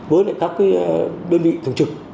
với các đơn vị thường trực